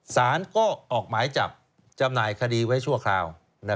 สารก็ออกหมายจับจำหน่ายคดีไว้ชั่วคราว